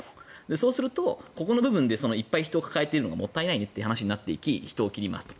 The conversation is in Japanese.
そうすると、ここの部分でいっぱい人を抱えているのがもったいないなという話になって人を切りますと。